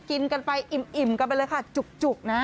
กินกันไปอิ่มกันไปเลยค่ะจุกนะ